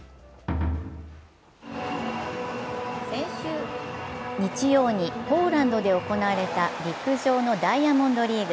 先週日曜にポーランドで行われた陸上のダイヤモンドリーグ。